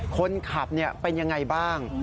คนขับเป็นยังไงบ้าง